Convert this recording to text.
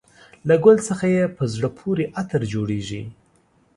له ګل څخه یې په زړه پورې عطر جوړېږي.